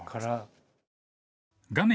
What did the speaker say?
画面